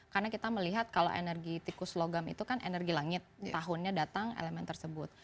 karena kita melihat kalau energi tikus logam itu kan energi langit tahunnya datang elemen tersebut